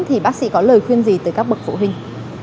thì bác sĩ có lời khuyên gì tới các bậc phụ huynh